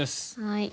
はい。